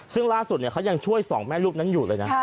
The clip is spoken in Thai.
ซึ่งล่าสุดเขายังช่วยสองแม่ลูกนั้นอยู่เลยนะ